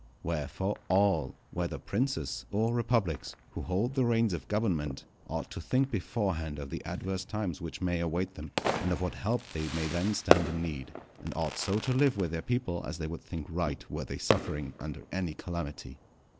Wherefore, all, whether princes or republics, who hold the reins of government, ought to think beforehand of the adverse times which may await them, and of what help they may then stand in need; and ought so to live with their people as they would think right were they suffering under any calamity.